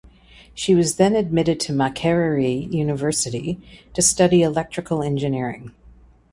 She was then admitted to Makerere University to study electrical engineering.